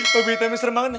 babi hitamnya serem banget nih